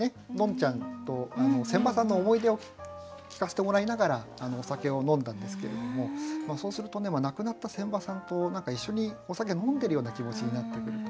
ちゃんと仙波さんの思い出を聞かせてもらいながらお酒を飲んだんですけれどもそうするとね亡くなった仙波さんと一緒にお酒飲んでるような気持ちになってくると。